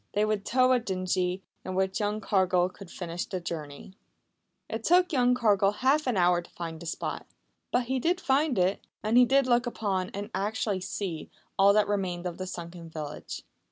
They would tow a dinghy, in which young Cargill could finish the journey. It took young Cargill half an hour to find the spot. But he did find it, and he did look upon, and actually see, all that remained of the sunken village.